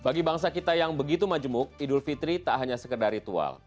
bagi bangsa kita yang begitu majemuk idul fitri tak hanya sekedar ritual